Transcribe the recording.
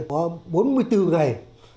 có bốn mươi bốn ngày